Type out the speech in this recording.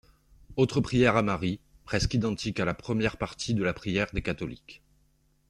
Autre prière à Marie, presqu'identique à la première partie de la prière des catholiques.